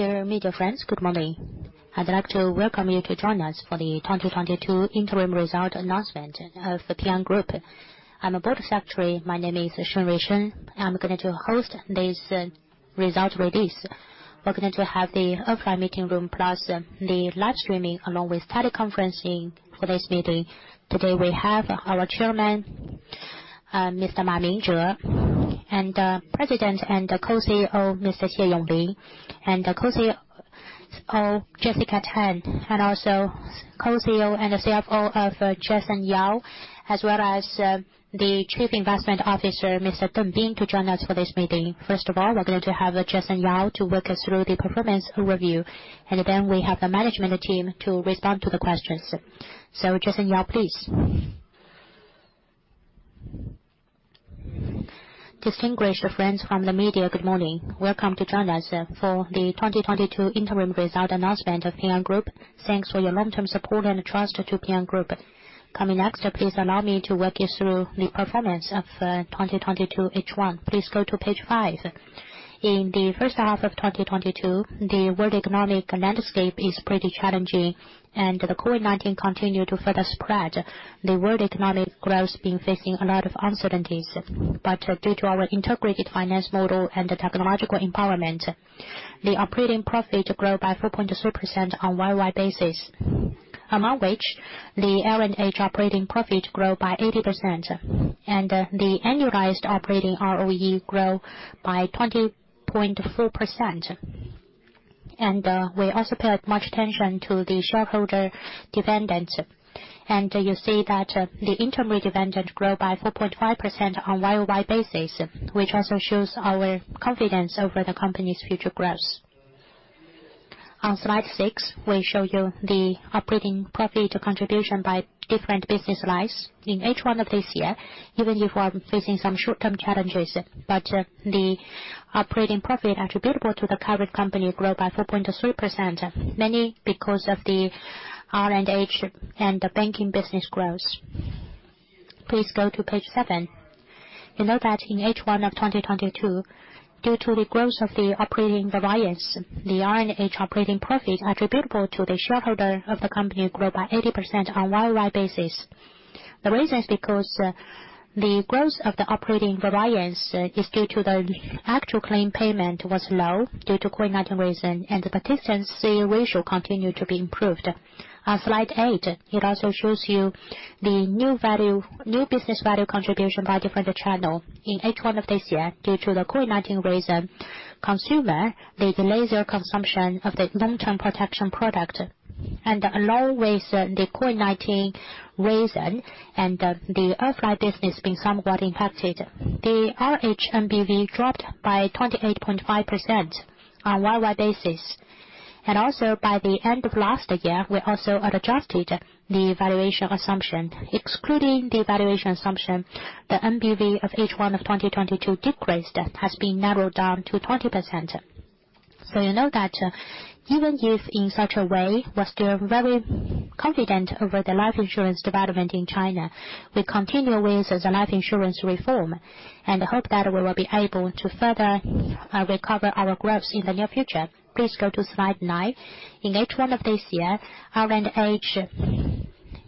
Dear media friends, good morning. I'd like to welcome you to join us for The 2022 Interim Aesult announcement of The Ping An Group. I'm the Board Secretary. My name is Sheng Ruisheng. I'm going to host this result release. We're going to have the offline meeting room plus the live streaming along with teleconferencing for this meeting. Today, we have our Chairman, Mr. Ma Mingzhe, and President and Co-CEO, Mr. Xie Yonglin, and Co-CEO Jessica Tan, and also Co-CEO and CFO, Jason Yao, as well as the Chief Investment Officer, Mr. Benjamin Deng, to join us for this meeting. First of all, we're going to have Jason Yao to walk us through the performance review, and then we have the management team to respond to the questions. Jason Yao, please. Distinguished friends from the media, good morning. Welcome to join us for the 2022 interim result announcement of Ping An Group. Thanks for your long-term support and trust to Ping An Group. Coming next, please allow me to walk you through the performance of 2022, H1. Please go to page 5. In the first half of 2022, the world economic landscape is pretty challenging and the COVID-19 continue to further spread. The world economic growth been facing a lot of uncertainties, but due to our integrated finance model and the technological empowerment, the operating profit grow by 4.2% on YOY basis. Among which, the L&H operating profit grow by 80%, and the annualized operating ROE grow by 20.4%. We also pay much attention to the shareholder dividend. You see that the interim dividend grow by 4.5% on YOY basis, which also shows our confidence over the company's future growth. On slide six, we show you the operating profit contribution by different business lines. In H1 of this year, even if we're facing some short-term challenges, but the operating profit attributable to the parent company grow by 4.3%, mainly because of the L&H and the banking business growth. Please go to page seven. You know that in H1 of 2022, due to the growth of the operating variance, the L&H operating profit attributable to the shareholder of the company grow by 80% on YOY basis. The reason is because the growth of the operating variance is due to the actual claim payment was low due to COVID-19 reason, and the P&C ratio continued to be improved. On slide eight, it also shows you the new value, new business value contribution by different channel. In H1 of this year, due to the COVID-19 reason, consumer-led leisure consumption of the long-term protection product, and along with the COVID-19 reason and the offline business being somewhat impacted, the L&H NBV dropped by 28.5% on YOY basis. Also by the end of last year, we also adjusted the valuation assumption. Excluding the valuation assumption, the NBV of H1 of 2022 decreased, has been narrowed down to 20%. So you know that even if in such a way, we're still very confident over the life insurance development in China. We continue with the life insurance reform and hope that we will be able to further recover our growth in the near future. Please go to slide nine. In H1 of this year, L&H,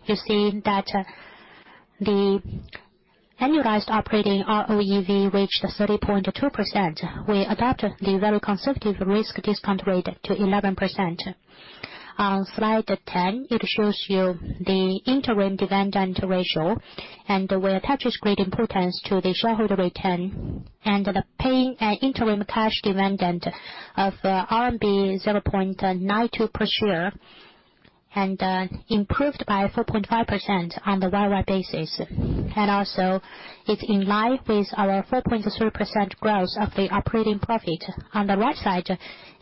you see that the annualized operating ROEV reached 30.2%. We adopt the very conservative risk discount rate to 11%. On slide 10, it shows you the interim dividend ratio, and we attach great importance to the shareholder return and we pay an interim cash dividend of RMB 0.92 per share and improved by 4.5% on the YOY basis. Also it's in line with our 4.3% growth of the operating profit. On the right side,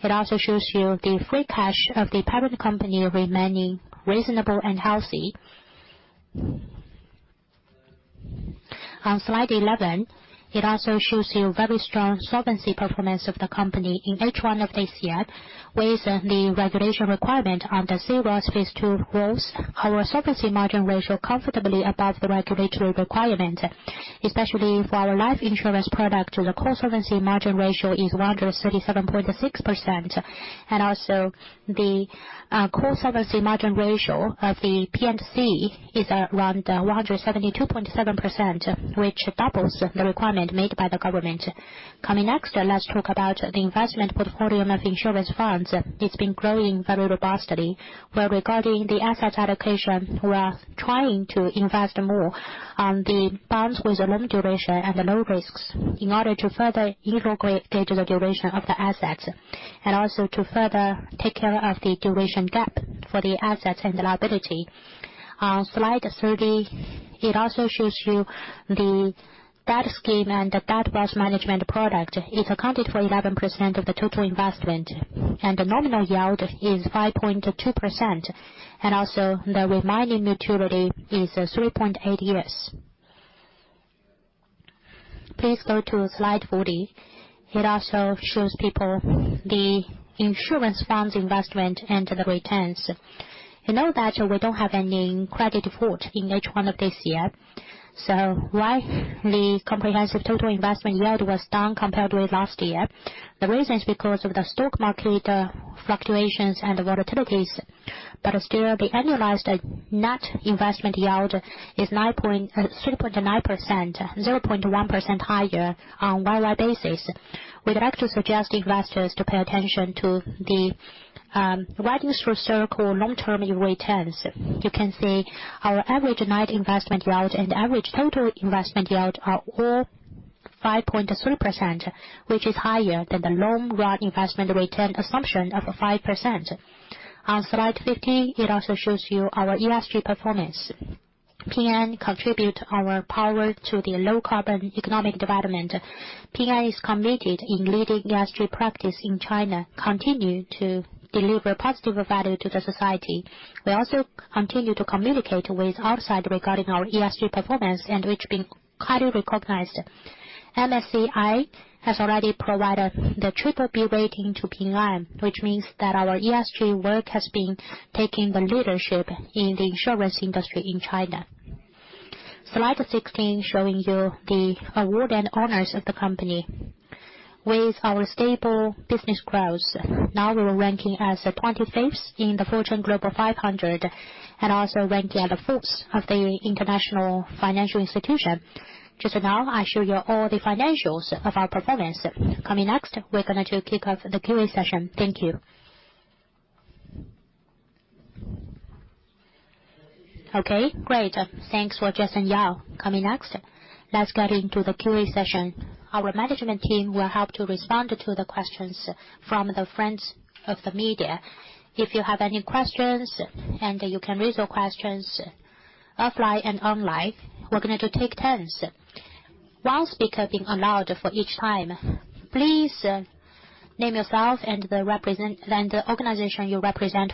it also shows you the free cash of the parent company remaining reasonable and healthy. On slide 11, it also shows you very strong solvency performance of the company in H1 of this year. With the regulatory requirement under C-ROSS phase two rules, our solvency margin ratio comfortably above the regulatory requirement, especially for our life insurance product, the core solvency margin ratio is 137.6%. Also the core solvency margin ratio of the P&C is around 172.7%, which doubles the requirement made by the government. Coming next, let's talk about the investment portfolio of insurance funds. It's been growing very robustly. Well, regarding the asset allocation, we are trying to invest more in the bonds with a long duration and low risks in order to further integrate the duration of the assets and also to further take care of the duration gap for the assets and liability. On slide 30, it also shows you the debt scheme and the debt wealth management product. It accounted for 11% of the total investment and the nominal yield is 5.2%. The remaining maturity is 3.8 years. Please go to slide 40. It also shows people the insurance funds investment and the returns. You know that we don't have any credit default in H1 of this year. Why the comprehensive total investment yield was down compared with last year? The reason is because of the stock market fluctuations and the volatilities. Still, the annualized net investment yield is 3.9%, 0.1% higher on YOY basis. We'd like to suggest investors to pay attention to the ride through the cycle long-term returns. You can see our average net investment yield and average total investment yield are all 5.3%, which is higher than the long-run investment return assumption of 5%. On Slide 15, it also shows you our ESG performance. Ping An contribute our power to the low carbon economic development. Ping An is committed in leading ESG practice in China, continue to deliver positive value to the society. We also continue to communicate with outside regarding our ESG performance and which being highly recognized. MSCI has already provided the BBB rating to Ping An, which means that our ESG work has been taking the leadership in the insurance industry in China. Slide 16, showing you the award and honors of the company. With our stable business growth, now we're ranking as 25th in the Fortune Global 500 and also ranking at the 4th of the international financial institution. Just now, I show you all the financials of our performance. Coming next, we're going to kick off the Q&A session. Thank you. Okay, great. Thanks for Jason Yao. Coming next, let's get into the Q&A session. Our management team will help to respond to the questions from the friends of the media. If you have any questions, you can raise your questions offline and online. We're going to take turns. One speaker being allowed for each time. Please name yourself and the organization you represent.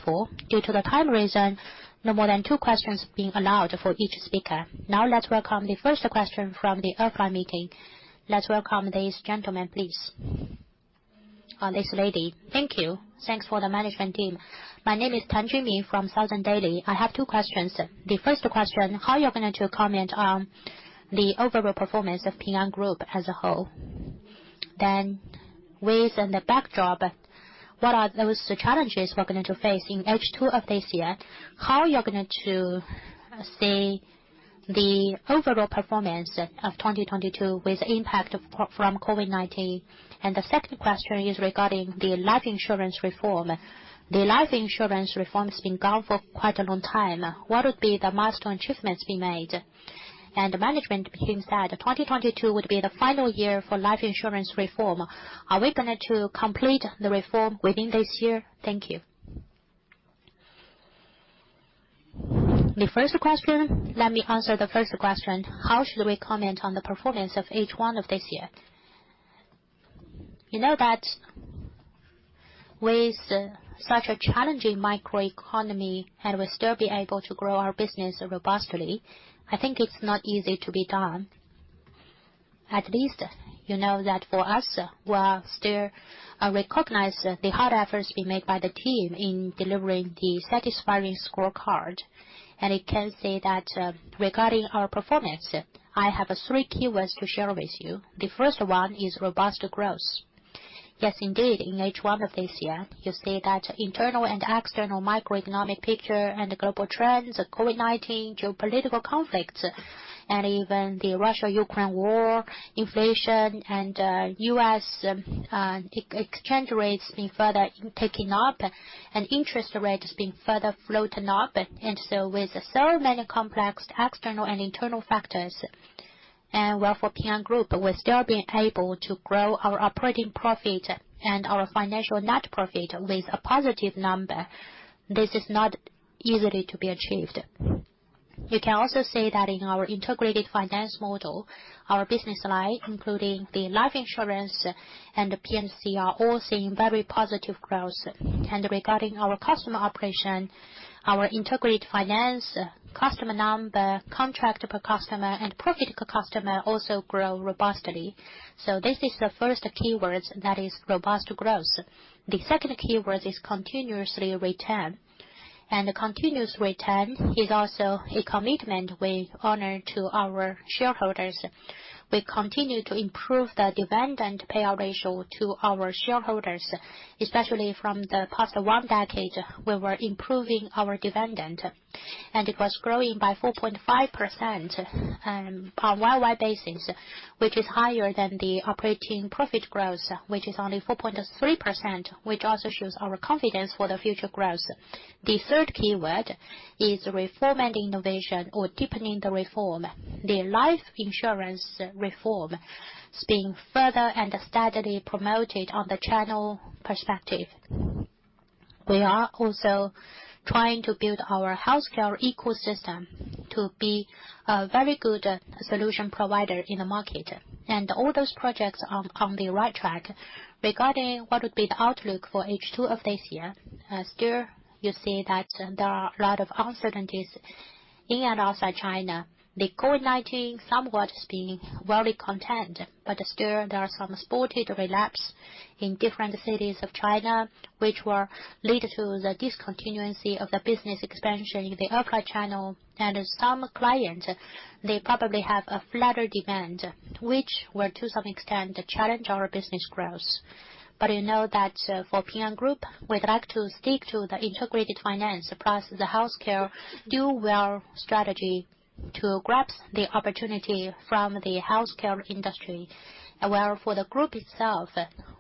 Due to the time reason, no more than two questions being allowed for each speaker. Now let's welcome the first question from the offline meeting. Let's welcome this lady. Thank you. Thanks to the management team. My name is Tan Jimmy from Southern Daily. I have two questions. The first question, how are you going to comment on the overall performance of Ping An Group as a whole? With the backdrop, what are those challenges we're going to face in H2 of this year? How are you going to see the overall performance of 2022 with impact of COVID-19? And the second question is regarding the life insurance reform. The life insurance reform has been gone for quite a long time. What would be the milestone achievements being made? And management team said 2022 would be the final year for life insurance reform. Are we going to complete the reform within this year? Thank you The first question, let me answer the first question. How should we comment on the performance of H1 of this year? You know that with such a challenging macroeconomy and we still be able to grow our business robustly, I think it's not easy to be done. At least you know that for us, we are still recognize the hard efforts being made by the team in delivering the satisfying scorecard. I can say that, regarding our performance, I have three keywords to share with you. The first one is robust growth. Yes, indeed, in H1 of this year, you see that internal and external macro-economic picture and global trends, COVID-19, geopolitical conflicts, and even the Russo-Ukrainian War, inflation and, U.S. exchange rates being further picking up and interest rates being further floating up. With so many complex external and internal factors, and well, for Ping An Group, we're still being able to grow our operating profit and our financial net profit with a positive number. This is not easily to be achieved. You can also see that in our integrated finance model, our business line, including the life insurance and P&C, are all seeing very positive growth. Regarding our customer operation, our integrated finance customer number, contract per customer, and profit per customer also grow robustly. This is the first keyword that is robust growth. The second keyword is continuously return. The continuous return is also a commitment we honor to our shareholders. We continue to improve the dividend payout ratio to our shareholders, especially from the past one decade, we were improving our dividend, and it was growing by 4.5% on YOY basis, which is higher than the operating profit growth, which is only 4.3%, which also shows our confidence for the future growth. The third keyword is reform and innovation or deepening the reform. The life insurance reform is being further and steadily promoted on the channel perspective. We are also trying to build our healthcare ecosystem to be a very good solution provider in the market. All those projects are on the right track. Regarding what would be the outlook for H2 of this year, still you see that there are a lot of uncertainties in and outside China. The COVID-19 somewhat has been well-contained. Still there are some sporadic relapses in different cities of China, which will lead to the discontinuity of the business expansion in the offline channel. Some clients, they probably have a flatter demand, which will to some extent challenge our business growth. You know that, for Ping An Group, we'd like to stick to the integrated finance plus the healthcare dual-wheel strategy to grab the opportunity from the healthcare industry. Well, for the group itself,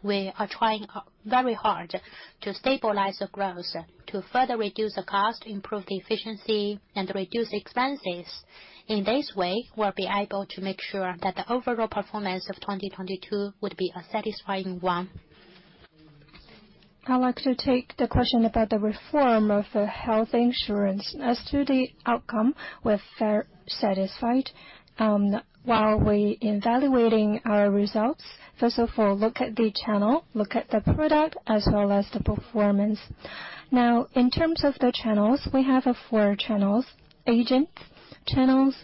we are trying very hard to stabilize the growth, to further reduce the cost, improve the efficiency, and reduce expenses. In this way, we'll be able to make sure that the overall performance of 2022 would be a satisfying one. I'd like to take the question about the reform of health insurance. As to the outcome, we're satisfied. While we're evaluating our results, first of all, look at the channel, look at the product as well as the performance. Now, in terms of the channels, we have four channels. Agent channels,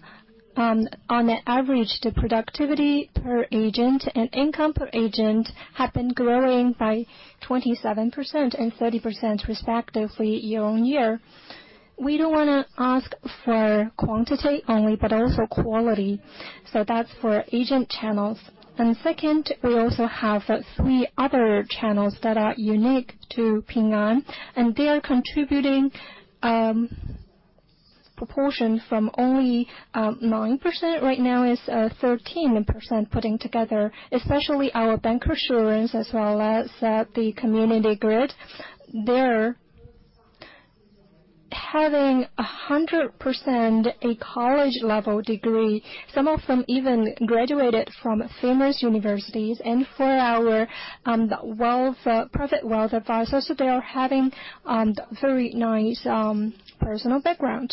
on the average, the productivity per agent and income per agent have been growing by 27% and 30% respectively year-on-year. We don't wanna ask for quantity only, but also quality. So that's for agent channels. Second, we also have three other channels that are unique to Ping An, and they are contributing proportion from only 9%, right now it's 13% putting together, especially our bancassurance as well as the community grid. They're having 100% a college level degree. Some of them even graduated from famous universities. For our wealth private wealth advisors, they are having very nice personal background.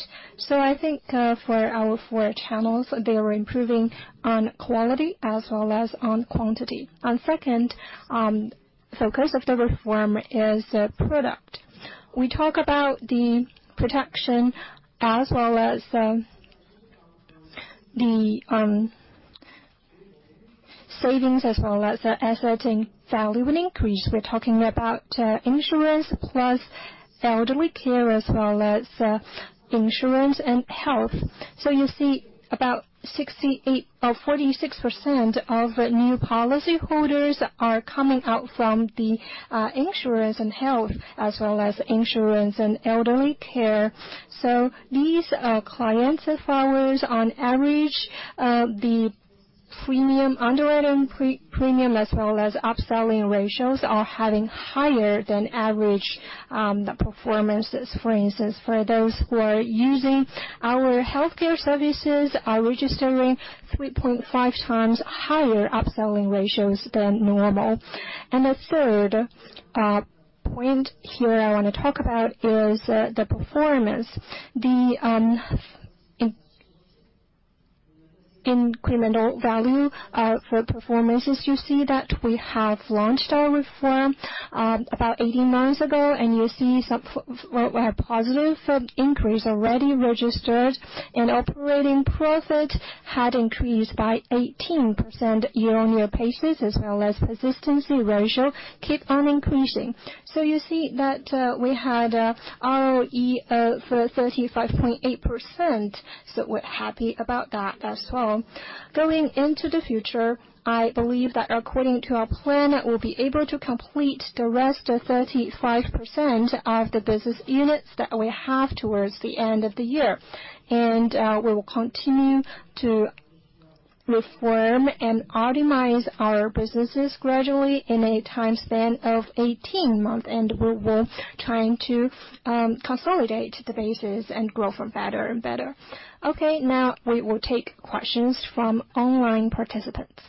I think for our four channels, they are improving on quality as well as on quantity. Second focus of the reform is the product. We talk about the protection as well as the savings as well as asset in value and increase. We're talking about insurance plus elderly care, as well as insurance and health. You see about 46% of new policyholders are coming out from the insurance and health, as well as insurance and elderly care. These clients of ours, on average, the premium underwriting premium as well as upselling ratios are having higher than average performances. For instance, for those who are using our healthcare services are registering 3.5 times higher upselling ratios than normal. The third point here I wanna talk about is the performance. The incremental value for performance is you see that we have launched our reform about 18 months ago, and you see we have positive increase already registered, and operating profit had increased by 18% year-on-year, as well as persistency ratio keep on increasing. You see that we had ROE of 35.8%, so we're happy about that as well. Going into the future, I believe that according to our plan, we'll be able to complete the rest of 35% of the business units that we have towards the end of the year. We will continue to reform and optimize our businesses gradually in a time span of 18 months, and we will try to consolidate the bases and grow from better and better. Okay, now we will take questions from online participants.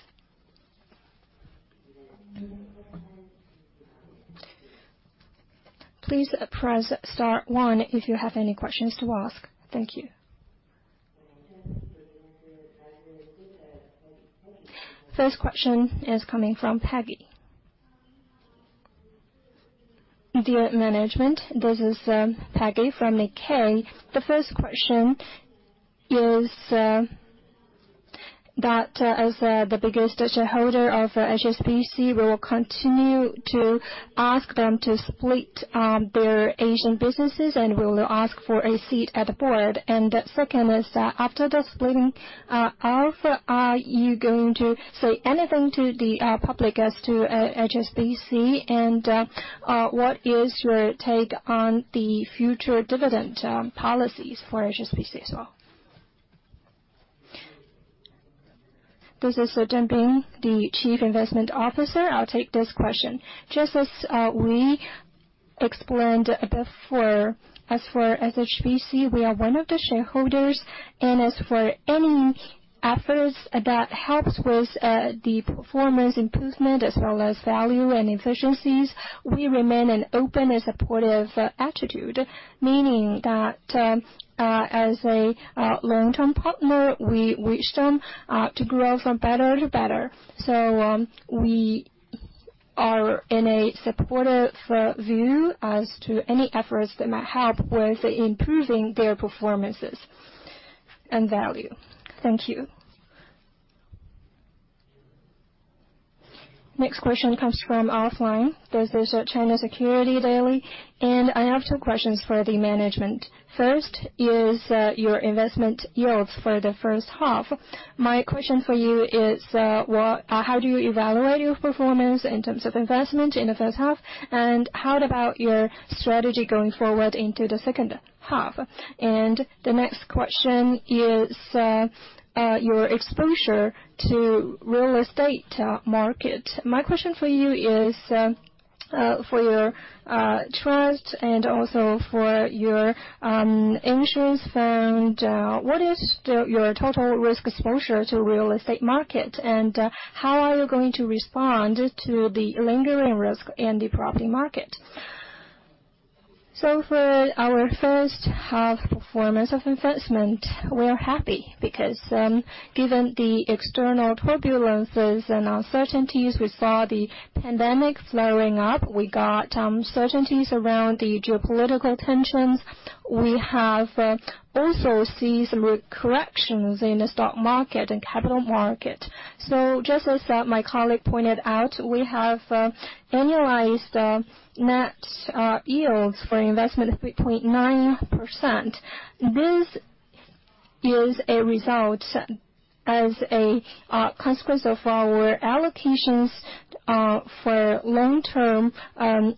Please press star one if you have any questions to ask. Thank you. First question is coming from Peggy. Dear management, this is Peggy from Nikkei. The first question is that as the biggest shareholder of HSBC, we will continue to ask them to split their Asian businesses, and we will ask for a seat at the board. Second is that after the splitting of, are you going to say anything to the public as to HSBC? What is your take on the future dividend policies for HSBC as well? This is Benjamin Deng, the Chief Investment Officer. I'll take this question. Just as we explained before, as for HSBC, we are one of the shareholders. As for any efforts that helps with the performance improvement as well as value and efficiencies, we remain an open and supportive attitude. Meaning that, as a long-term partner, we wish them to grow from better to better. We are in a supportive view as to any efforts that might help with improving their performances and value. Thank you. Next question comes from offline. This is China Securities Daily, and I have two questions for the management. First is your investment yields for the first half. My question for you is how do you evaluate your performance in terms of investment in the first half? How about your strategy going forward into the second half? The next question is, your exposure to real estate market. My question for you is, for your trust and also for your insurance fund, your total risk exposure to real estate market, and how are you going to respond to the lingering risk in the property market? For our first half performance of investment, we're happy because, given the external turbulences and uncertainties, we saw the pandemic flaring up. We got uncertainties around the geopolitical tensions. We have also seen corrections in the stock market and capital market. Just as my colleague pointed out, we have annualized net yields for investment of 3.9%. This is a result as a consequence of our allocations for long-term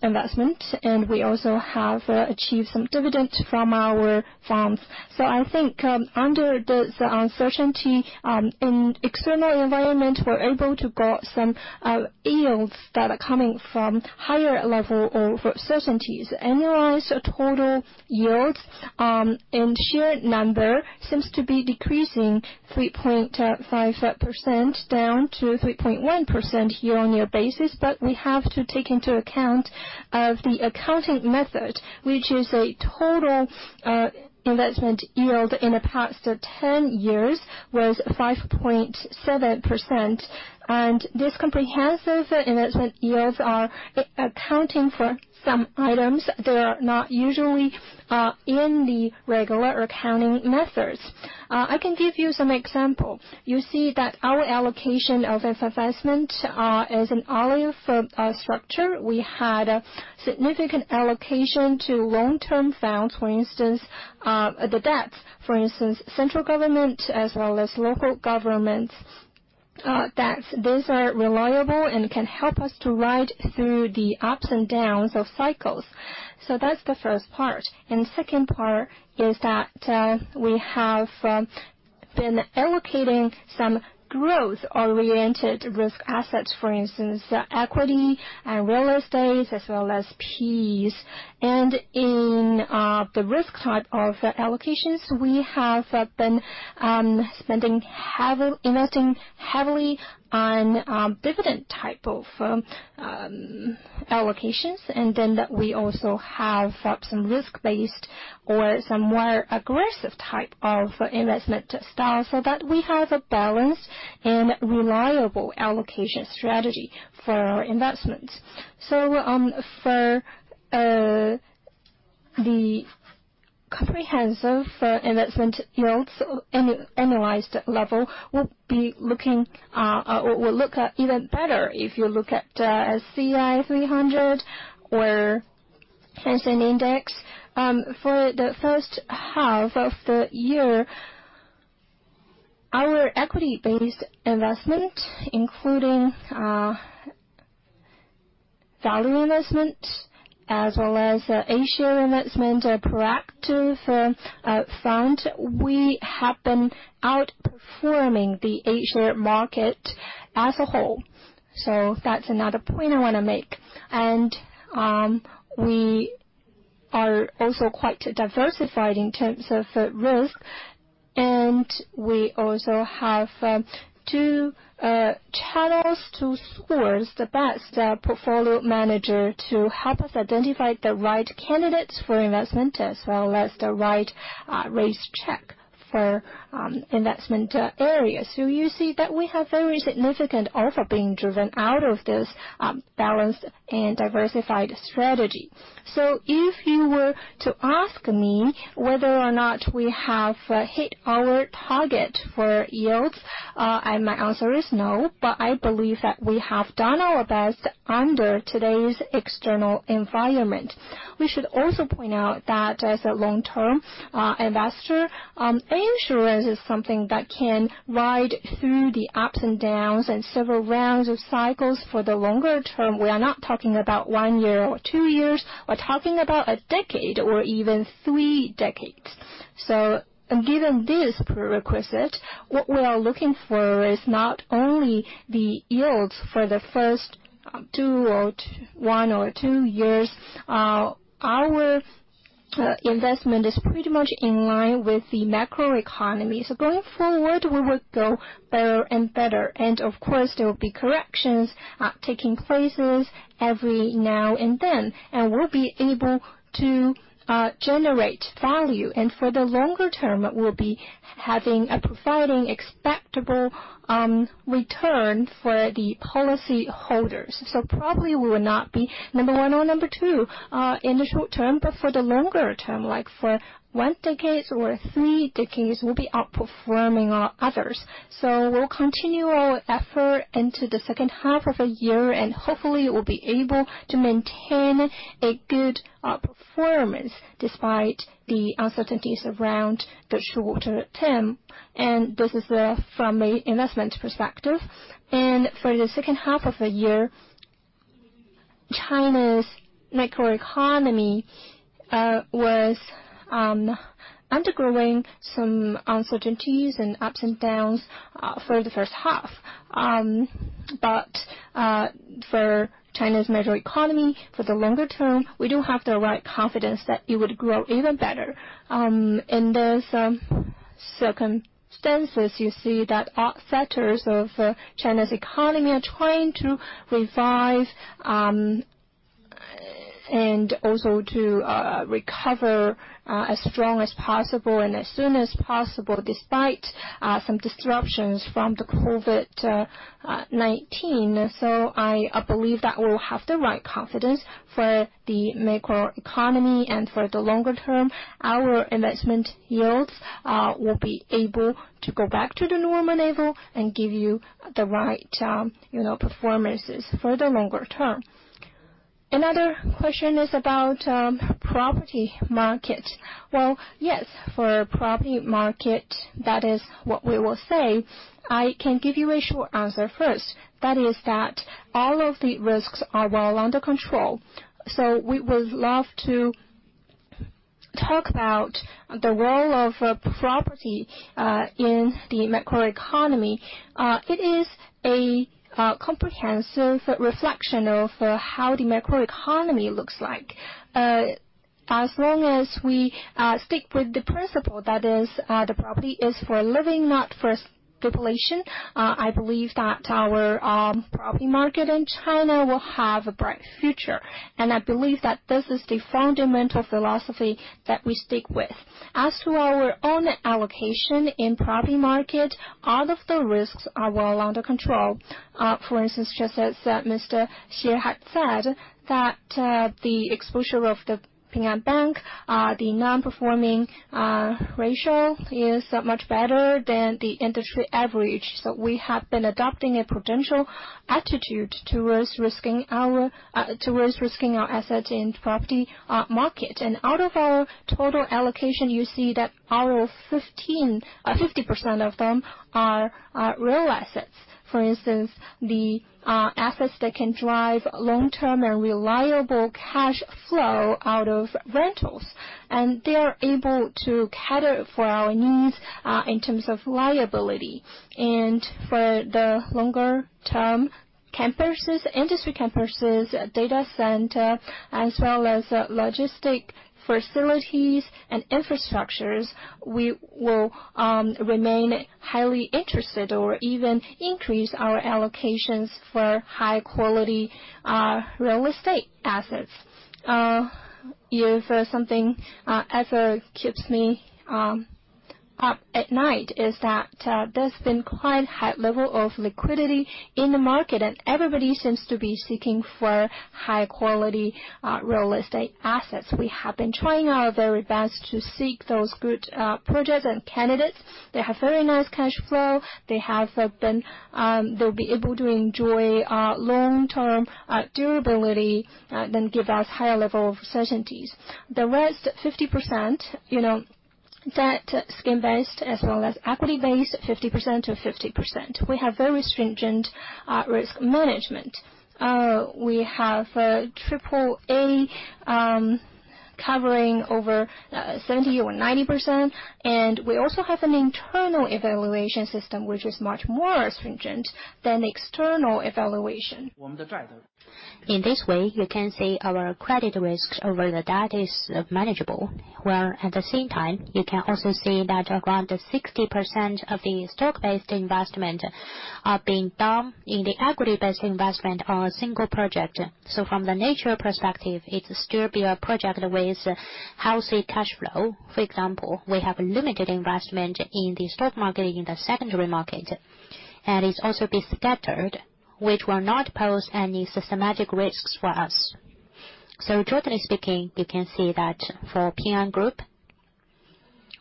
investment, and we also have achieved some dividends from our funds. I think under this uncertainty in external environment, we're able to get some yields that are coming from higher level of certainties. Annualized total yields and shared number seems to be decreasing 3.5% down to 3.1% year-over-year basis. We have to take into account of the accounting method, which is a total investment yield in the past 10 years was 5.7%. This comprehensive investment yields are accounting for some items that are not usually in the regular accounting methods. I can give you some example. You see that our allocation of investment, as an olive structure, we had a significant allocation to long-term funds, for instance, the debts. For instance, central government as well as local government debts. These are reliable and can help us to ride through the ups and downs of cycles. That's the first part. Second part is that, we have been allocating some growth oriented risk assets, for instance, equity and real estate as well as PE. In the risk type of allocations, we have been investing heavily on dividend type of allocations. We also have some risk-based or some more aggressive type of investment style, so that we have a balanced and reliable allocation strategy for our investments. For the comprehensive investment yields analyzed level will look even better if you look at CSI 300 or Hang Seng Index. For the first half of the year, our equity-based investment, including value investment as well as A-share investment or proactive fund, we have been outperforming the A-share market as a whole. That's another point I wanna make. We are also quite diversified in terms of risk. We also have two channels to source the best portfolio manager to help us identify the right candidates for investment as well as the right risk check for investment areas. You see that we have very significant alpha being driven out of this balanced and diversified strategy. If you were to ask me whether or not we have hit our target for yields, and my answer is no. I believe that we have done our best under today's external environment. We should also point out that as a long-term investor, insurance is something that can ride through the ups and downs and several rounds of cycles for the longer term. We are not talking about one year or two years. We're talking about a decade or even three decades. Given this prerequisite, what we are looking for is not only the yields for the first two or one or two years. Our investment is pretty much in line with the macro economy. Going forward, we will go better and better. Of course, there will be corrections taking place every now and then. We'll be able to generate value. For the longer term, we'll be providing expected return for the policyholders. Probably we will not be number one or number two in the short term. For the longer term, like for one decade or three decades, we'll be outperforming others. We'll continue our effort into the second half of the year, and hopefully we'll be able to maintain a good performance despite the uncertainties around the short term. This is from an investment perspective. For the second half of the year, China's macro economy was undergoing some uncertainties and ups and downs for the first half. For China's macro economy for the longer term, we do have the right confidence that it would grow even better. In those circumstances, you see that all sectors of China's economy are trying to revive, and also to recover, as strong as possible and as soon as possible, despite some disruptions from the COVID-19. I believe that we'll have the right confidence for the macro economy and for the longer term. Our investment yields will be able to go back to the normal level and give you the right, you know, performances for the longer term. Another question is about property market. Well, yes, for property market, that is what we will say. I can give you a short answer first. That is that all of the risks are well under control. We would love to talk about the role of property in the macro economy. It is a comprehensive reflection of how the macro economy looks like. As long as we stick with the principle, that is, the property is for living, not for speculation, I believe that our property market in China will have a bright future. I believe that this is the fundamental philosophy that we stick with. As to our own allocation in property market, all of the risks are well under control. For instance, just as Mr. Xie had said, the exposure of the Ping An Bank, the non-performing ratio is much better than the industry average. We have been adopting a prudent attitude towards risking our assets in property market. Out of our total allocation, you see that our 15%. 50% of them are real assets. For instance, the assets that can drive long-term and reliable cash flow out of rentals, and they are able to cater for our needs in terms of liability. For the longer term, campuses, industry campuses, data center, as well as logistics facilities and infrastructures, we will remain highly interested or even increase our allocations for high-quality real estate assets. If something ever keeps me up at night, is that there's been quite high level of liquidity in the market, and everybody seems to be seeking for high-quality real estate assets. We have been trying our very best to seek those good projects and candidates. They have very nice cash flow. They have, they'll be able to enjoy long-term durability, then give us higher level of certainties. The rest 50%, you know, debt scheme-based, as well as equity-based, 50% to 50%. We have very stringent risk management. We have AAA covering over 70 or 90%. We also have an internal evaluation system, which is much more stringent than external evaluation. In this way, you can see our credit risk over the debt is manageable, where at the same time you can also see that around 60% of the stock-based investment are being done in the equity-based investment on a single project. From the nature perspective, it's still be a project with healthy cash flow. For example, we have limited investment in the stock market, in the secondary market. It's also be scattered, which will not pose any systematic risks for us. Generally speaking, you can see that for Ping An Group,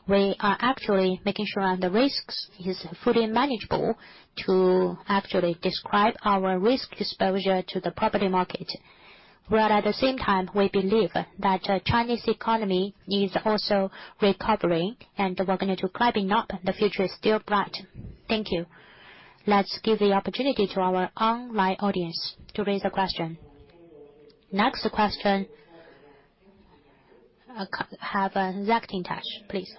we are actually making sure the risks is fully manageable to actually describe our risk exposure to the property market, where at the same time, we believe that Chinese economy is also recovering and we're going to climbing up. The future is still bright. Thank you. Let's give the opportunity to our online audience to raise a question. Next question. Can have Zach Tintosh, please.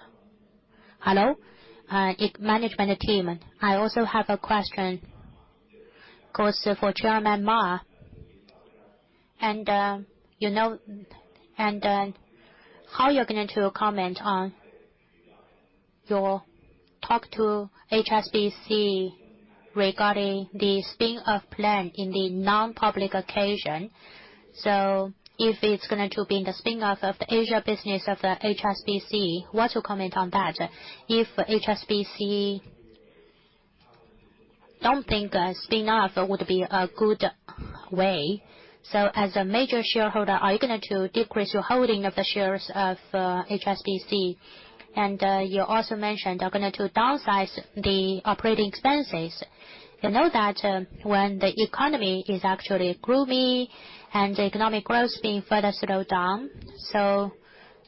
Hello, management team. I also have a question. Goes for Chairman Ma. How are you going to comment on your talk to HSBC regarding the spin-off plan in the non-public occasion. If it's going to be the spin-off of the Asia business of the HSBC, what's your comment on that. If HSBC don't think a spin-off would be a good way, as a major shareholder, are you going to decrease your holding of the shares of HSBC. You also mentioned you're going to downsize the operating expenses. You know that, when the economy is actually gloomy and the economic growth being further slowed down, so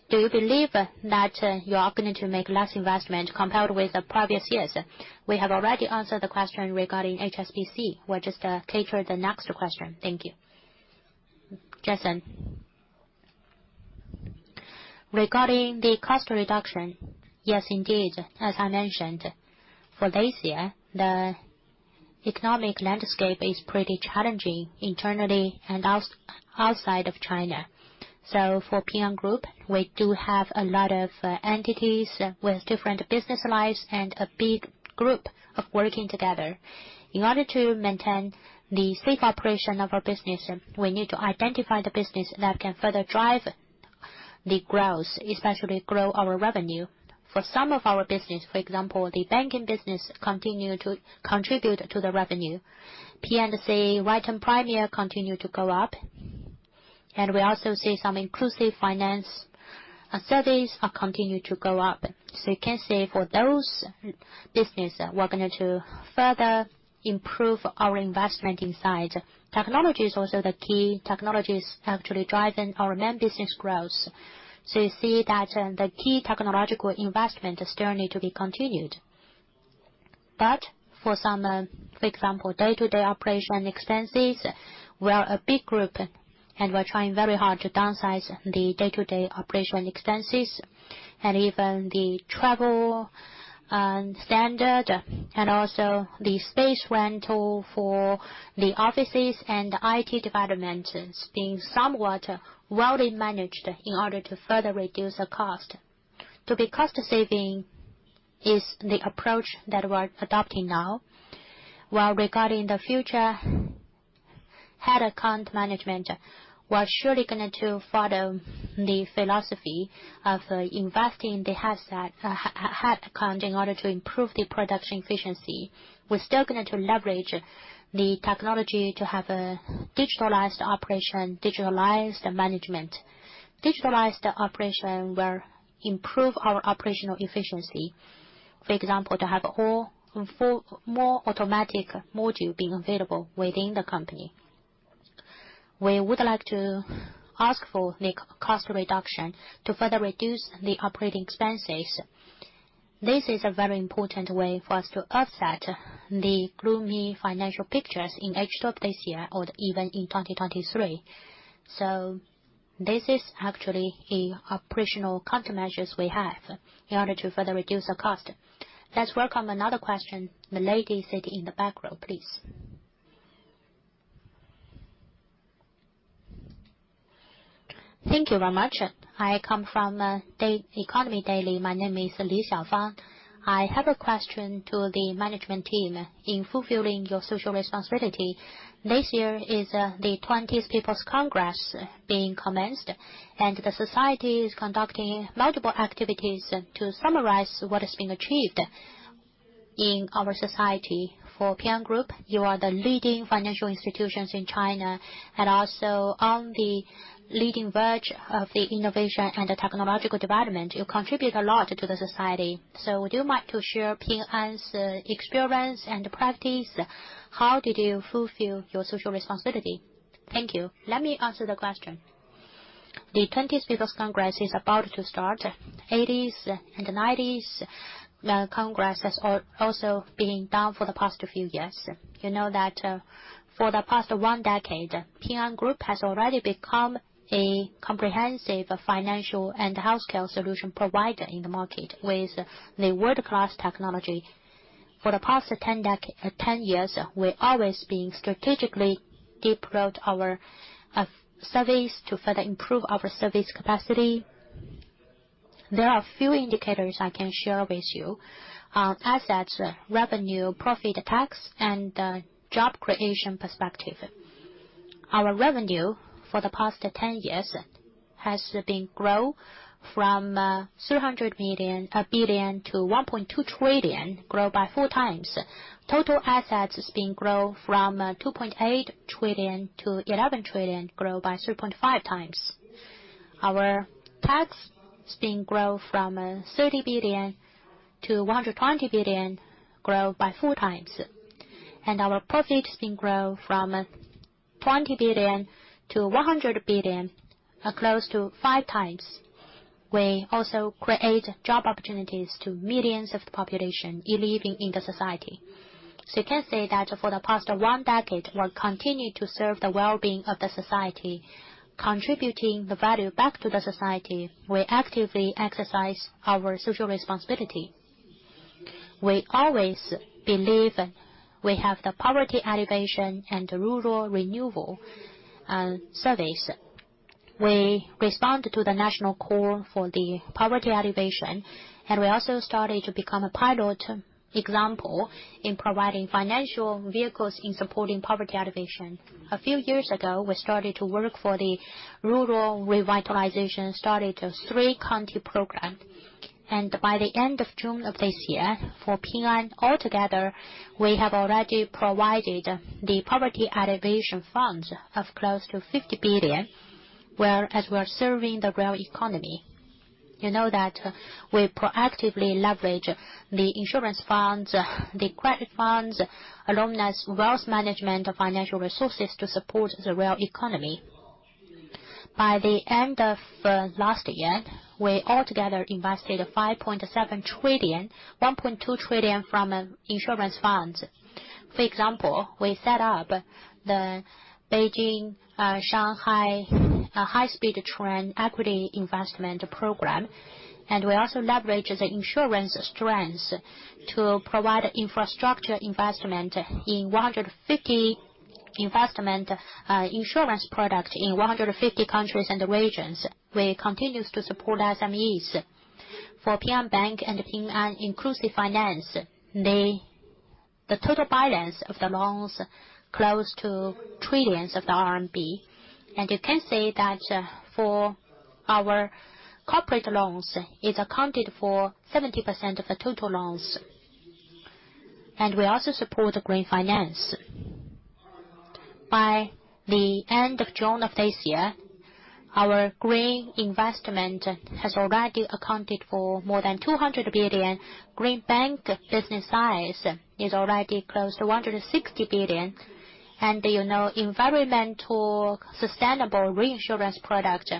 do you believe that you are going to make less investment compared with the previous years? We have already answered the question regarding HSBC. We'll just take the next question. Thank you. Jason. Regarding the cost reduction, yes, indeed, as I mentioned, for this year, the economic landscape is pretty challenging internally and outside of China. For Ping An Group, we do have a lot of entities with different business lines and a big group working together. In order to maintain the safe operation of our business, we need to identify the business that can further drive the growth, especially grow our revenue. For some of our business, for example, the banking business continue to contribute to the revenue. P&C written premium continue to go up, and we also see some inclusive finance studies are continue to go up. You can say for those business, we're going to further improve our investment inside. Technology is also the key. Technology is actually driving our main business growth. You see that the key technological investment is still need to be continued. For some, for example, day-to-day operation expenses, we're a big group, and we're trying very hard to downsize the day-to-day operation expenses. Even the travel standard and also the space rental for the offices and the IT development is being somewhat well managed in order to further reduce the cost. To be cost-saving is the approach that we're adopting now. While regarding the future headcount management, we're surely going to follow the philosophy of investing the headcount in order to improve the productivity efficiency. We're still going to leverage the technology to have a digitalized operation, digitalized management. Digitalized operation will improve our operational efficiency. For example, to have a wholly automated module being available within the company. We would like to aim for the cost reduction to further reduce the operating expenses. This is a very important way for us to offset the gloomy financial pictures in H2 of this year or even in 2023. This is actually an operational countermeasure we have in order to further reduce the cost. Let's welcome another question. The lady sitting in the back row, please. Thank you very much. I come from the Economic Daily. My name is Richard Sheng. I have a question to the management team in fulfilling your social responsibility. This year is the 20th National People's Congress being commenced, and the society is conducting multiple activities to summarize what has been achieved in our society. For Ping An Group, you are the leading financial institutions in China and also on the leading verge of the innovation and the technological development. You contribute a lot to the society. Would you mind to share Ping An's experience and practice? How did you fulfill your social responsibility? Thank you. Let me answer the question. The 20th National People's Congress is about to start. In the 1980s and 1990s, the congress has also been held for the past few years. You know that, for the past one decade, Ping An Group has already become a comprehensive financial and healthcare solution provider in the market with the world-class technology. For the past 10 years, we're always being strategically deeply rooting our service to further improve our service capacity. There are few indicators I can share with you on assets, revenue, profit, tax, and job creation perspective. Our revenue for the past 10 years has been grow from 300 billion to 1.2 trillion, grow by 4 times. Total assets has been grow from 2.8 trillion to 11 trillion, grow by 3.5 times. Our tax has been grow from 30 billion to 120 billion, grow by 4 times. Our profit has been grow from 20 billion to 100 billion, close to 5 times. We also create job opportunities to millions of the population living in the society. You can say that for the past one decade, we'll continue to serve the well-being of the society, contributing the value back to the society. We actively exercise our social responsibility. We always believe we have the poverty alleviation and rural renewal, service. We respond to the national call for the poverty alleviation, and we also started to become a pilot example in providing financial vehicles in supporting poverty alleviation. A few years ago, we started to work for the rural revitalization, started a San Cun program. By the end of June of this year, for Ping An altogether, we have already provided the poverty alleviation funds of close to 50 billion. Whereas we are serving the real economy, you know that we proactively leverage the insurance funds, the credit funds, along with wealth management and financial resources to support the real economy. By the end of last year, we altogether invested 5.7 trillion, 1.2 trillion from insurance funds. For example, we set up the Beijing, Shanghai high-speed train equity investment program, and we also leverage the insurance strengths to provide infrastructure investment in 150 investment insurance product in 150 countries and regions. We continues to support SMEs. For Ping An Bank and Ping An Inclusive Finance, their total balance of the loans close to trillions RMB. You can say that for our corporate loans, it accounted for 70% of the total loans. We also support green finance. By the end of June of this year, our green investment has already accounted for more than 200 billion. Green bank business size is already close to 160 billion. You know, environmentally sustainable reinsurance product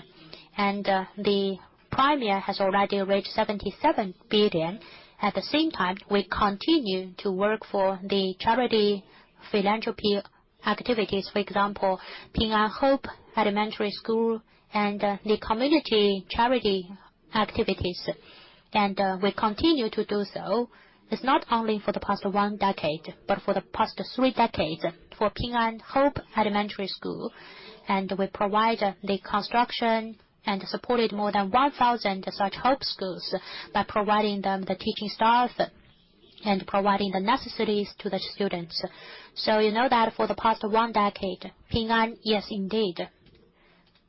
and the premium has already reached 77 billion. At the same time, we continue to work for the charity philanthropy activities. For example, Ping An Hope Elementary School and the community charity activities. We continue to do so. It's not only for the past one decade, but for the past three decades for Ping An Hope Elementary School. We provide the construction and supported more than 1,000 such Hope schools by providing them the teaching staff and providing the necessities to the students. You know that for the past one decade, Ping An, yes, indeed,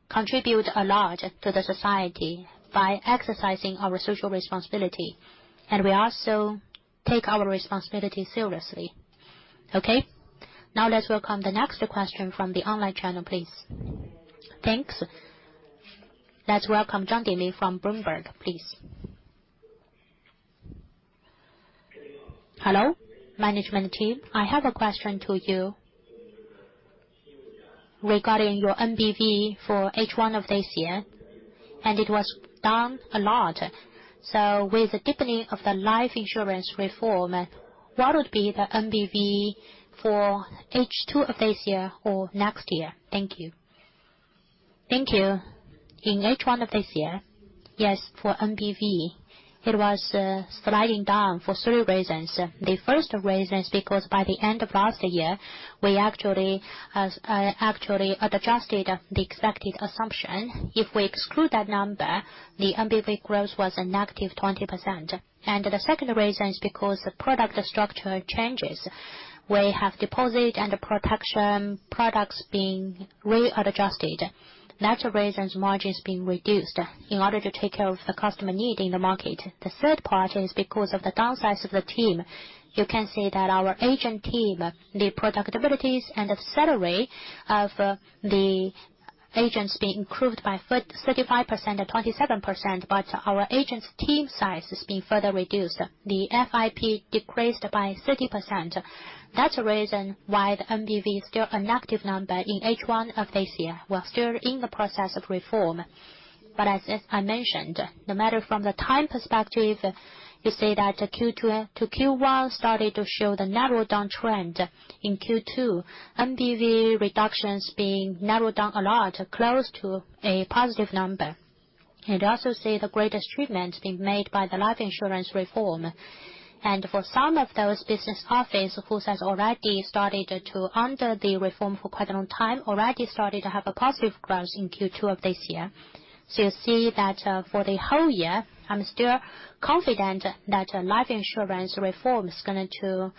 contribute a lot to the society by exercising our social responsibility, and we also take our responsibility seriously. Okay. Now let's welcome the next question from the online channel, please. Thanks. Let's welcome Zhang Dili from Bloomberg, please. Hello, management team. I have a question to you regarding your MBV for H1 of this year, and it was down a lot. With the deepening of the life insurance reform, what would be the MBV for H2 of this year or next year? Thank you. Thank you. In H1 of this year, yes, for MBV, it was sliding down for three reasons. The first reason is because by the end of last year, we actually has actually adjusted the expected assumption. If we exclude that number, the MBV growth was negative 20%. The second reason is because the product structure changes. We have deposit and protection products being re-adjusted. That's the reason margins being reduced in order to take care of the customer need in the market. The third part is because of the downsize of the team. You can see that our agent team, the productivities and the salary of the agents being improved by 35% and 27%, but our agents' team size has been further reduced. The FYP decreased by 30%. That's the reason why the NBV is still a negative number in H1 of this year. We're still in the process of reform. As I mentioned, no matter from the time perspective, you see that Q2 to Q1 started to show the narrowed down trend. In Q2, NBV reductions being narrowed down a lot, close to a positive number. You also see the greatest treatment being made by the life insurance reform. For some of those business office whose has already started under the reform for quite a long time, already started to have a positive growth in Q2 of this year. You see that, for the whole year, I'm still confident that life insurance reform is going to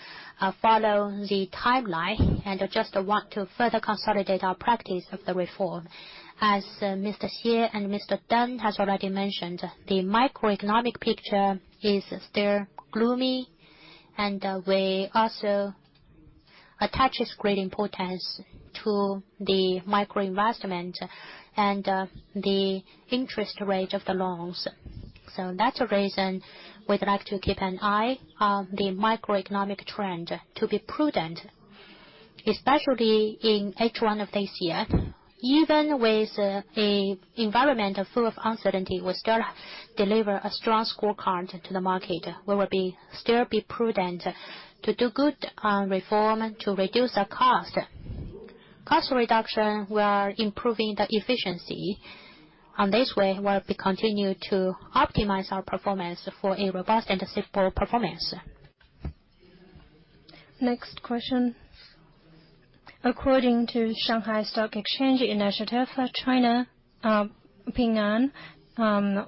follow the timeline, and I just want to further consolidate our practice of the reform. As Mr. Xie and Mr. Deng has already mentioned, the macroeconomic picture is still gloomy, and we also attach great importance to the macro investment and the interest rate of the loans. That's the reason we'd like to keep an eye on the macroeconomic trend to be prudent, especially in H1 of this year. Even with an environment full of uncertainty, we still deliver a strong scorecard to the market. We will still be prudent to do good on reform, to reduce our cost. Cost reduction, we are improving the efficiency. On this way, we'll continue to optimize our performance for a robust and sustainable performance. Next question. According to Shanghai Stock Exchange initiative, China Ping An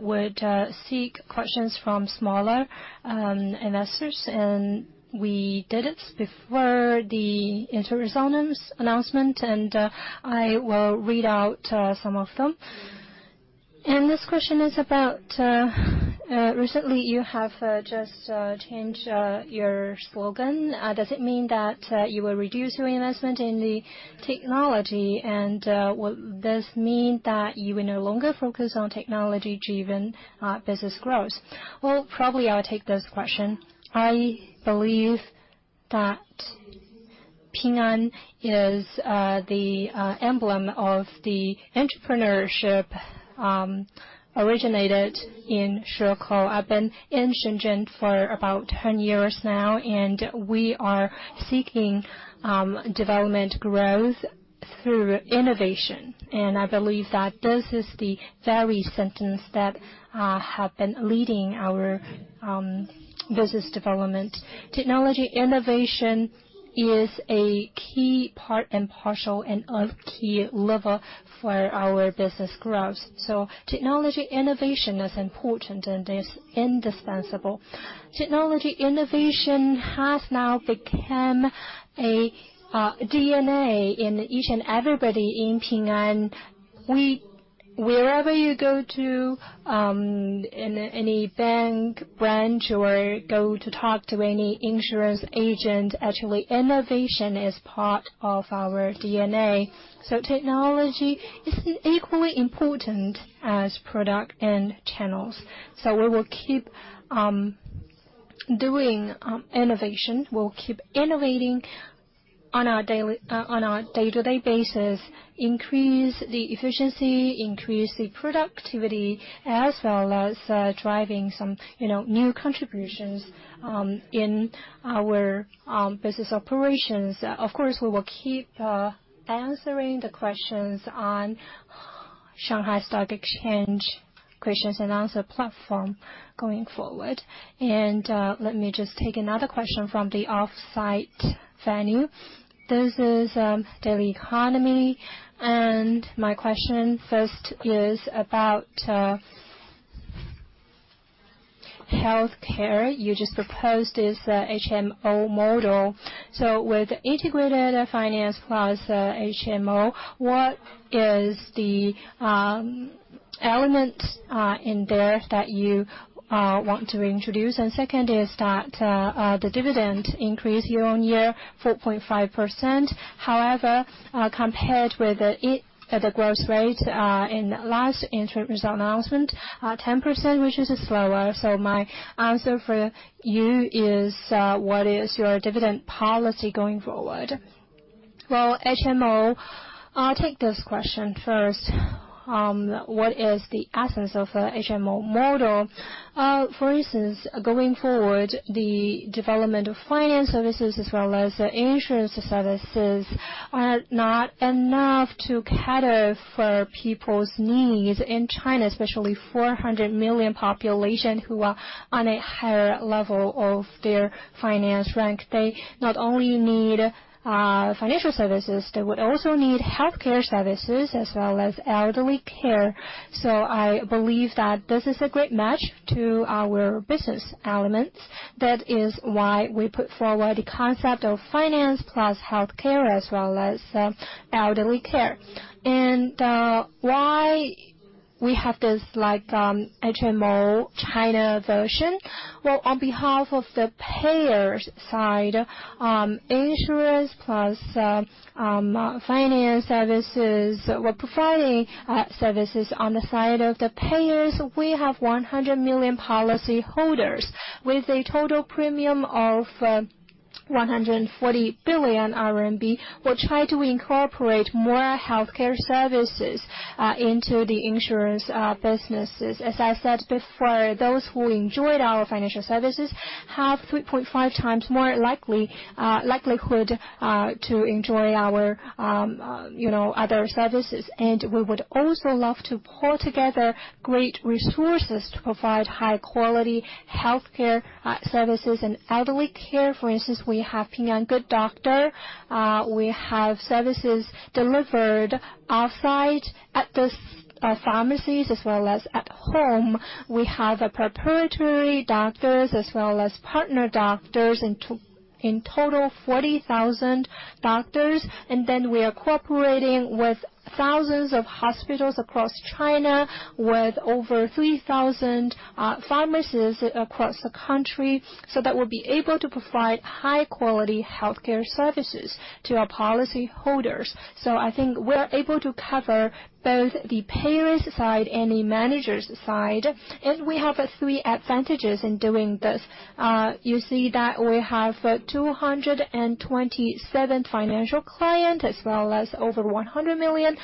would seek questions from smaller investors, and we did it before the interim results announcement, and I will read out some of them. This question is about recently you have just changed your slogan. Does it mean that you will reduce your investment in the technology, and will this mean that you will no longer focus on technology-driven business growth? Well, probably I'll take this question. I believe that Ping An is the emblem of the entrepreneurship originated in Shenzhen. I've been in Shenzhen for about 10 years now, and we are seeking development growth through innovation. I believe that this is the very sentence that have been leading our business development. Technology innovation is a key part and parcel and a key lever for our business growth. Technology innovation is important and is indispensable. Technology innovation has now become a DNA in each and everybody in Ping An. Wherever you go to in any bank branch or go to talk to any insurance agent, actually, innovation is part of our DNA. Technology is equally important as product and channels. We will keep doing innovation. We'll keep innovating on a day-to-day basis, increase the efficiency, increase the productivity, as well as driving some, you know, new contributions in our business operations. Of course, we will keep answering the questions on Shanghai Stock Exchange questions and answer platform going forward. Let me just take another question from the offsite venue. This is Economic Daily. My question first is about healthcare. You just proposed this HMO model. With integrated finance plus HMO, what is the element in there that you want to introduce? Second is that the dividend increase year-on-year 4.5%. However, compared with the growth rate in last interim result announcement 10%, which is slower. My question for you is what is your dividend policy going forward? Well, HMO, I'll take this question first. What is the essence of a HMO model? For instance, going forward, the development of finance services as well as insurance services are not enough to cater for people's needs in China, especially 400 million population who are on a higher level of their finance rank. They not only need financial services, they would also need healthcare services as well as elderly care. I believe that this is a great match to our business elements. That is why we put forward the concept of finance plus healthcare as well as elderly care. Why we have this like HMO China version? Well, on behalf of the payer's side, insurance plus finance services, we're providing services on the side of the payers. We have 100 million policyholders with a total premium of 140 billion RMB. We're trying to incorporate more healthcare services into the insurance businesses. As I said before, those who enjoyed our financial services have 3.5 times more likely likelihood to enjoy our, you know, other services. We would also love to pool together great resources to provide high-quality healthcare services and elderly care. For instance, we have Ping An Good Doctor. We have services delivered off-site at those pharmacies as well as at home. We have proprietary doctors as well as partner doctors, in total 40,000 doctors. Then we are cooperating with thousands of hospitals across China, with over 3,000 pharmacies across the country, so that we'll be able to provide high-quality healthcare services to our policyholders. I think we're able to cover both the payer's side and the manager's side. We have three advantages in doing this. You see that we have 227 financial clients as well as over 100 million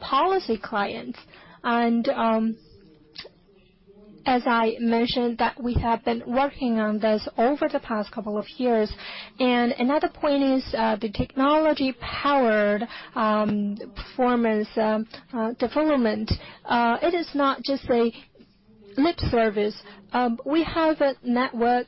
policy clients. As I mentioned that we have been working on this over the past couple of years. Another point is the technology-powered performance development. It is not just lip service. We have a network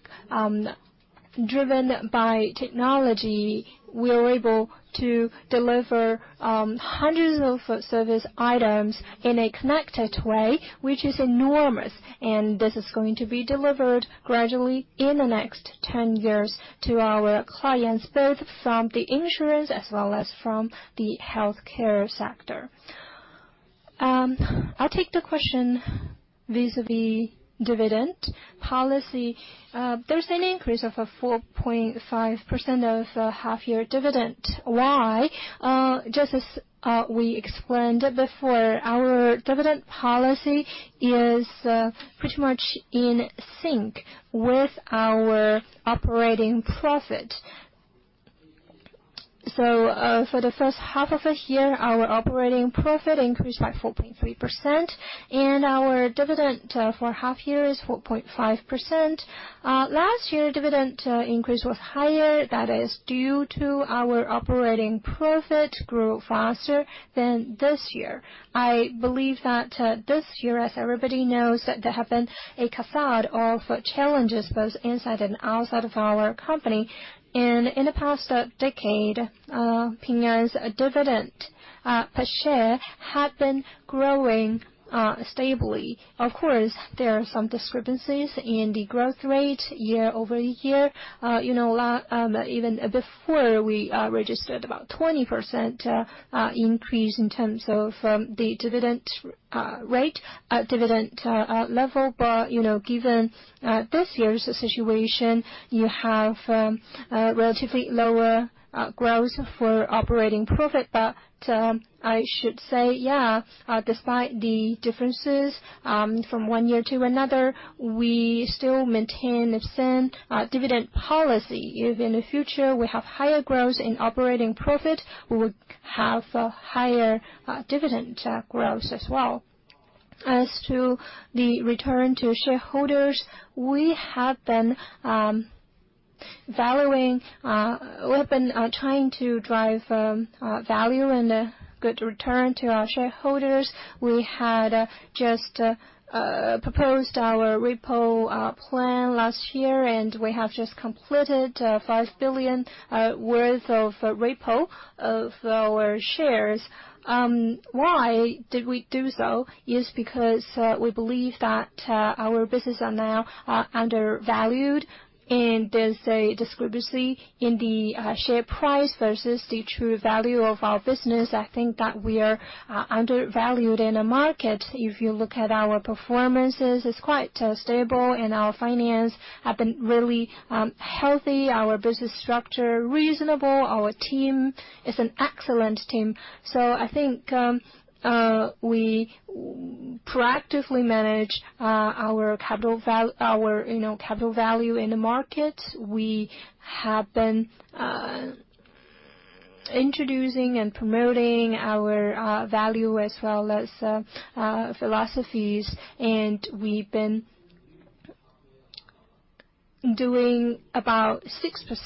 driven by technology. We are able to deliver hundreds of service items in a connected way, which is enormous. This is going to be delivered gradually in the next 10 years to our clients, both from the insurance as well as from the healthcare sector. I'll take the question vis-à-vis dividend policy. There's an increase of 4.5% of half-year dividend. Why? Just as we explained before, our dividend policy is pretty much in sync with our operating profit. For the first half of the year, our operating profit increased by 4.3%, and our dividend for half year is 4.5%. Last year dividend increase was higher. That is due to our operating profit grew faster than this year. I believe that this year, as everybody knows, there have been a cascade of challenges both inside and outside of our company. In the past decade, Ping An's dividend per share had been growing stably. Of course, there are some discrepancies in the growth rate year-over-year. You know, even before we registered about 20% increase in terms of the dividend rate, dividend level. You know, given this year's situation, you have a relatively lower growth for operating profit. I should say, yeah, despite the differences from one year to another, we still maintain the same dividend policy. If in the future we have higher growth in operating profit, we would have a higher dividend growth as well. As to the return to shareholders, we have been valuing. We've been trying to drive value and a good return to our shareholders. We had just proposed our repo plan last year, and we have just completed 5 billion worth of repo of our shares. Why did we do so? It's because we believe that our business are now undervalued, and there's a discrepancy in the share price versus the true value of our business. I think that we are undervalued in the market. If you look at our performances, it's quite stable, and our finance have been really healthy, our business structure reasonable, our team is an excellent team. I think we proactively manage our capital value in the market. We have been introducing and promoting our value as well as philosophies. We've been doing about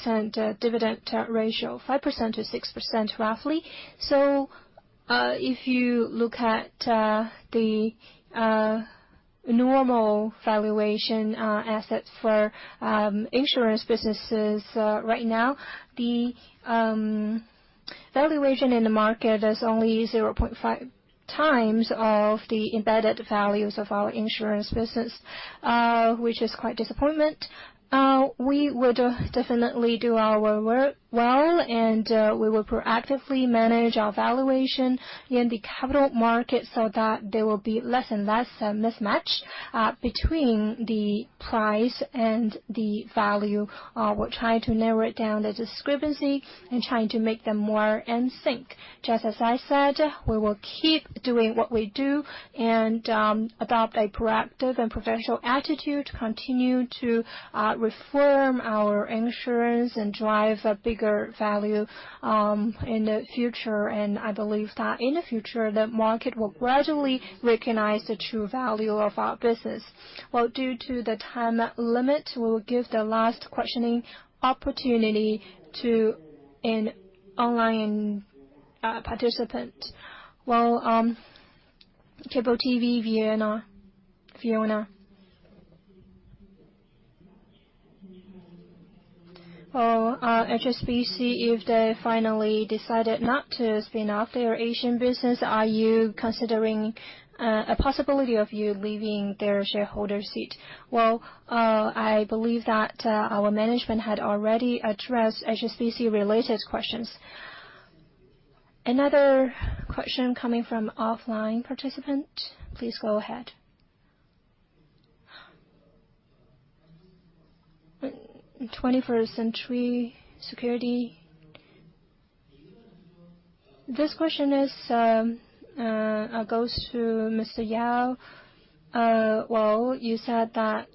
6% dividend ratio, 5%-6%, roughly. If you look at the normal valuation assets for insurance businesses right now, the valuation in the market is only 0.5x of the embedded values of our insurance business, which is quite disappointing. We would definitely do our work well, and we will proactively manage our valuation in the capital market so that there will be less and less of a mismatch between the price and the value. We're trying to narrow down the discrepancy and trying to make them more in sync. Just as I said, we will keep doing what we do and adopt a proactive and professional attitude, continue to reform our insurance and drive a bigger value in the future. I believe that in the future, the market will gradually recognize the true value of our business. Well, due to the time limit, we'll give the last questioning opportunity to an online participant. Well, Cable TV, Vienna. Fiona. Well, HSBC, if they finally decided not to spin off their Asian business, are you considering a possibility of you leaving their shareholder seat? Well, I believe that our management had already addressed HSBC related questions. Another question coming from offline participant. Please go ahead. 21st Century Business Herald. This question goes to Mr. Yao. Well, you said that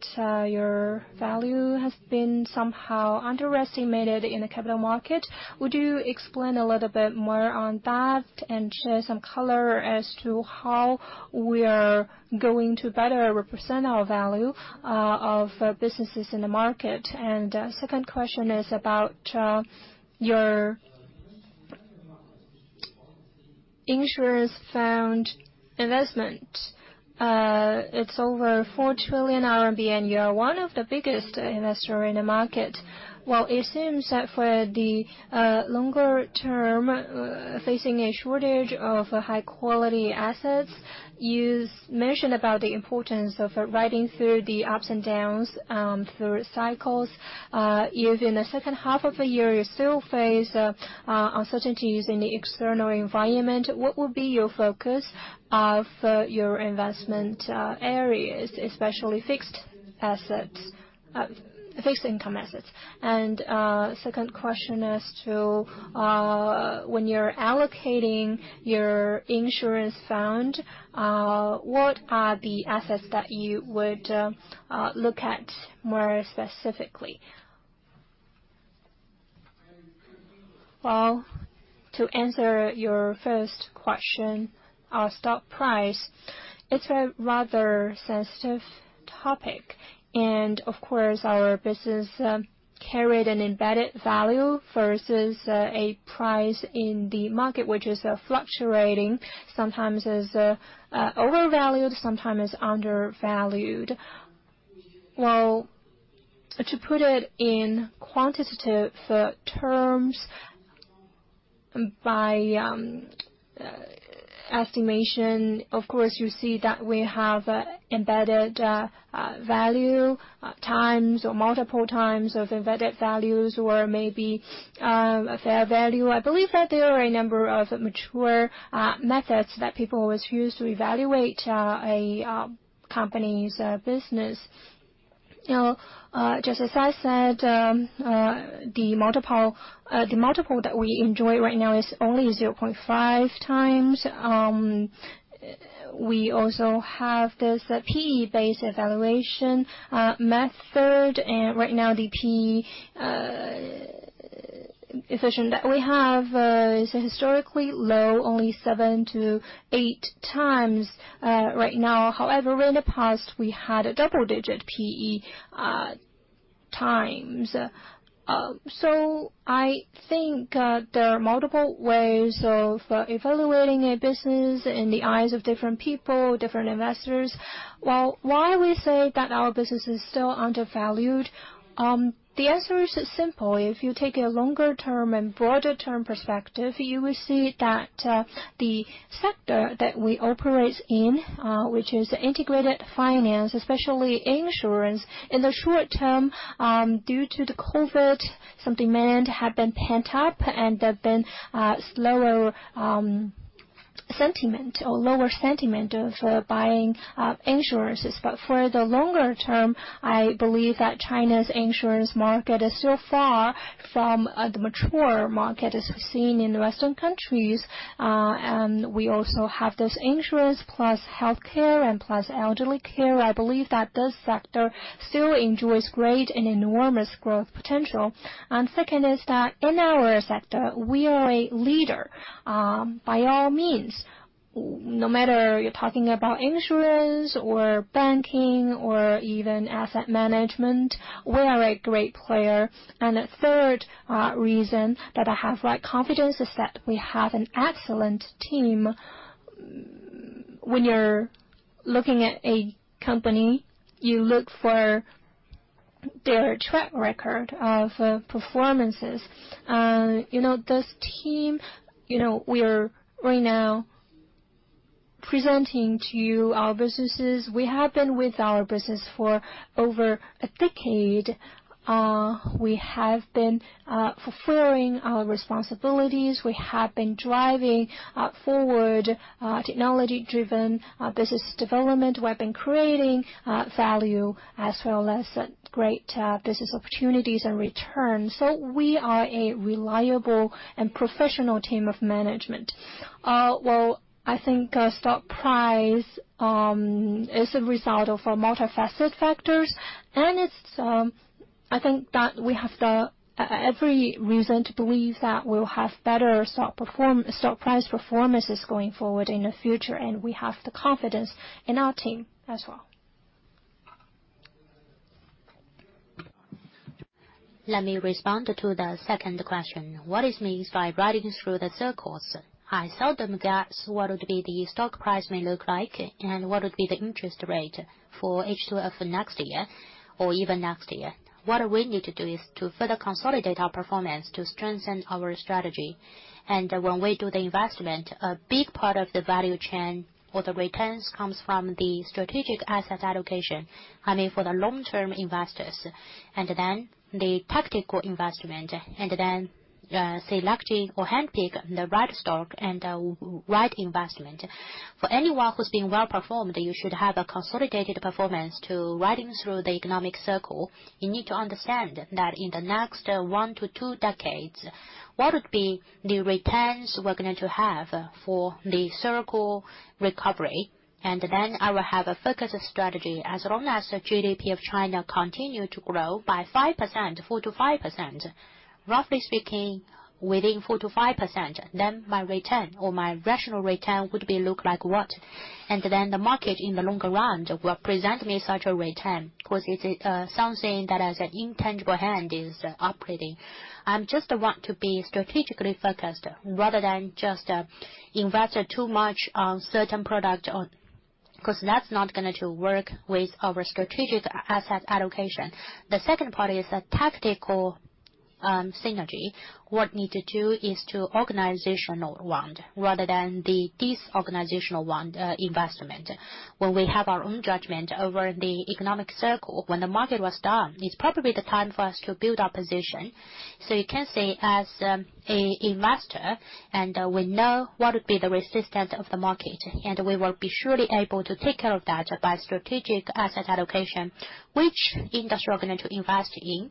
your value has been somehow underestimated in the capital market. Would you explain a little bit more on that and share some color as to how we are going to better represent our value of businesses in the market? Second question is about your insurance fund investment. It's over 4 trillion RMB, and you are one of the biggest investor in the market. It seems that for the longer term, facing a shortage of high-quality assets, you've mentioned about the importance of riding through the ups and downs through cycles. If in the second half of the year you still face uncertainties in the external environment, what will be your focus of your investment areas, especially fixed income assets? Second question is to when you're allocating your insurance fund, what are the assets that you would look at more specifically? Well, to answer your first question, our stock price, it's a rather sensitive topic. Of course, our business carried an embedded value versus a price in the market, which is fluctuating. Sometimes it's overvalued, sometimes it's undervalued. Well, to put it in quantitative terms, by estimation, of course, you see that we have embedded value times or multiple times of embedded values or maybe a fair value. I believe that there are a number of mature methods that people always use to evaluate a company's business. You know, just as I said, the multiple that we enjoy right now is only 0.5x. We also have this PE-based evaluation method. Right now, the PE ratio that we have is historically low, only 7-8x right now. However, in the past, we had a double-digit PE times. So I think there are multiple ways of evaluating a business in the eyes of different people, different investors. Well, why we say that our business is still undervalued? The answer is simple. If you take a longer term and broader term perspective, you will see that the sector that we operate in, which is integrated finance, especially insurance. In the short term, due to the COVID, some demand had been pent up, and there's been slower sentiment or lower sentiment of buying insurances. For the longer term, I believe that China's insurance market is so far from the mature market as we've seen in Western countries. We also have this insurance plus healthcare and plus elderly care. I believe that this sector still enjoys great and enormous growth potential. Second is that in our sector, we are a leader by all means. No matter you're talking about insurance or banking or even asset management, we are a great player. A third reason that I have, like, confidence is that we have an excellent team. When you're looking at a company, you look for their track record of performances. You know, this team, you know, we are right now presenting to you our businesses. We have been with our business for over a decade. We have been fulfilling our responsibilities. We have been driving forward technology-driven business development. We have been creating value as well as great business opportunities and returns. We are a reliable and professional team of management. Well, I think stock price is a result of multifaceted factors. I think that we have every reason to believe that we'll have better stock price performances going forward in the future, and we have the confidence in our team as well. Let me respond to the second question. What it means by riding through the cycles? I seldom guess what the stock price may look like and what the interest rate for H2 next year or even next year would be. What we need to do is to further consolidate our performance to strengthen our strategy. When we do the investment, a big part of the value chain or the returns comes from the strategic asset allocation, I mean, for the long-term investors. Then the tactical investment, and then selecting or handpick the right stock and right investment. For anyone who's been well-performed, you should have a consolidated performance to ride through the economic cycle. You need to understand that in the next one to two decades, what the returns we're going to have for the cycle recovery? I will have a focused strategy. As long as the GDP of China continues to grow by 5%, 4%-5%, roughly speaking, within 4%-5%, then my return or my rational return would look like what? The market in the longer run will present me such a return 'cause it's something that an invisible hand is operating. I just want to be strategically focused rather than just invest too much on certain product or 'cause that's not gonna work with our strategic asset allocation. The second part is a tactical synergy. What we need to do is to organizational one rather than the disorganizational one, investment. When we have our own judgment over the economic cycle, when the market was down, it's probably the time for us to build our position. You can say as an investor and we know what would be the resilience of the market, and we will be surely able to take care of that by strategic asset allocation, which industry we're going to invest in.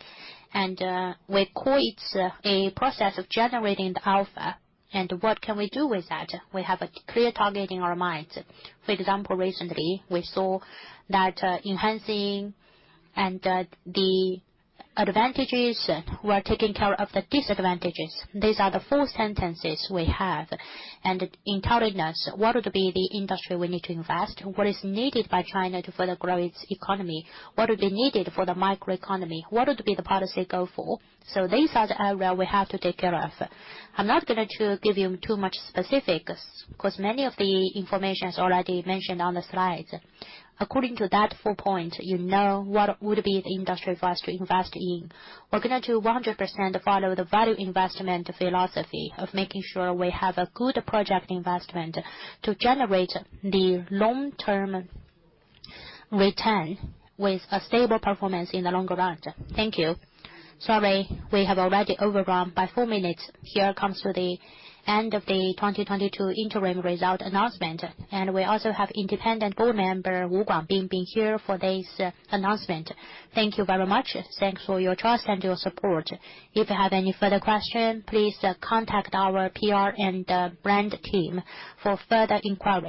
We call it a process of generating the alpha and what can we do with that. We have a clear target in our minds. For example, recently we saw that enhancing and the advantages who are taking care of the disadvantages. These are the four sentences we have, and it encouraged us what would be the industry we need to invest. What is needed by China to further grow its economy. What would be needed for the macroeconomy? What would be the policy goal for? These are the areas we have to take care of. I'm not going to give you too much specifics 'cause many of the information is already mentioned on the slides. According to that four point, you know, what would be the industry for us to invest in. We're gonna 100% follow the value investment philosophy of making sure we have a good project investment to generate the long-term return with a stable performance in the longer run. Thank you. Sorry, we have already overrun by 4 minutes. Here comes to the end of the 2022 interim result announcement. We also have Independent Board Member Wu Guangbing being here for this announcement. Thank you very much. Thanks for your trust and your support. If you have any further question, please contact our PR and brand team for further inquiry.